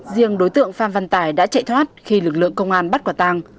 riêng đối tượng phan văn tài đã chạy thoát khi lực lượng công an bắt quả tàng